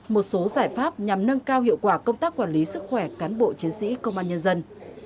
một số giải pháp nhằm nâng cao hiệu quả công tác quản lý sức khỏe cán bộ chiến sĩ công an nhân dân